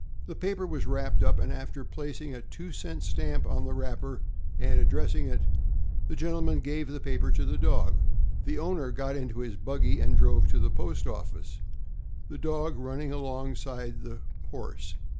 The paper was wrapped up, and after placing a two cent stamp on the wrap per and addressing it, the gentleman gave the paper to the dog. The owner got into his buggy and drove to the post office, the dog running alongside the horse.